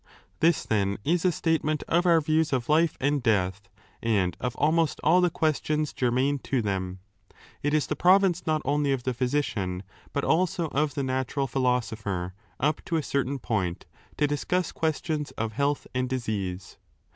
This, then, is a statement of our views of life and death 7 and of almost all the questions germane to them. It is the province not only of the physician, but also of the natural philosopher, up to a certain point,^ to discuss questions of health and disease.